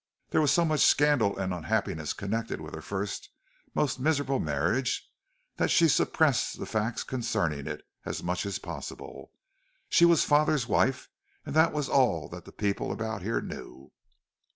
There was so much scandal and unhappiness connected with her first most miserable marriage, that she suppressed the facts concerning it as much as possible. She was father's wife and that was all that the people about here knew."